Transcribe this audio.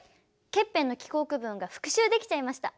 ケッペンの気候区分が復習できちゃいました。